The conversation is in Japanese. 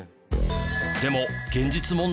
でも現実問題